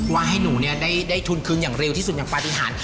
ว่าให้หนูได้ทุนคืนอย่างเร็วที่สุดอย่างปฏิหาร